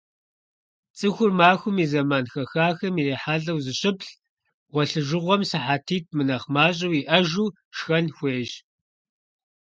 ЦӀыхур махуэм и зэман хэхахэм ирихьэлӀэу зыщыплӏ, гъуэлъыжыгъуэм сыхьэтитӏ мынэхъ мащӀэу иӀэжу, шхэн хуейщ.